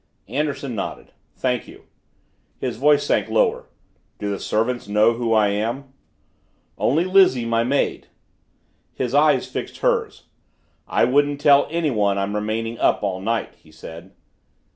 Anderson nodded. "Thank you." His voice sank lower. "Do the servants know who I am?" "Only Lizzie, my maid." His eyes fixed hers. "I wouldn't tell anyone I'm remaining up all night," he said.